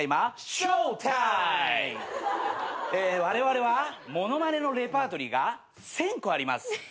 われわれは物まねのレパートリーが１，０００個あります。